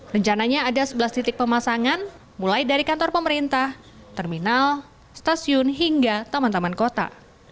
rencananya ada sebelas titik pemasangan mulai dari kantor pemerintah terminal stasiun hingga taman taman kota